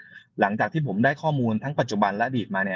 ซึ่งผมเนี่ยหลังจากที่ผมได้ข้อมูลทั้งปัจจุบันและอดีตมาเนี่ย